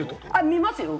見ますよ。